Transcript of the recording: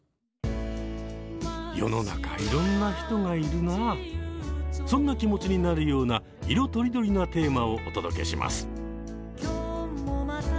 世の中そんな気持ちになるような色とりどりなテーマをお届けします。